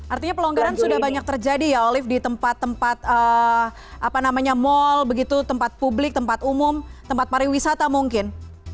artinya pelonggaran sudah banyak terjadi ya olive di tempat tempat mal begitu tempat publik tempat umum tempat pariwisata mungkin